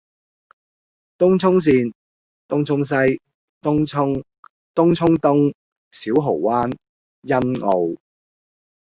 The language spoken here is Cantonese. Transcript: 東涌綫：東涌西，東涌，東涌東，小蠔灣，欣澳，